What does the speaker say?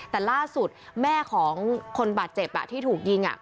แต่ล่าสุดแม่ของคนบาดเจ็บที่ถูกยิง